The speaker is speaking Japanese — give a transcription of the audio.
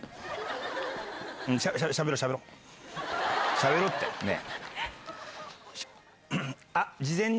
しゃべろうってねぇ？